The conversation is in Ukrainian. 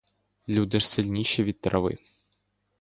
Люди ж сильніші від трави.